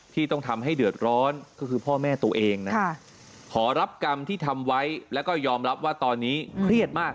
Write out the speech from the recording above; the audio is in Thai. ที่ต้องทำให้เดือดร้อนก็คือพ่อแม่ตัวเองนะขอรับกรรมที่ทำไว้แล้วก็ยอมรับว่าตอนนี้เครียดมาก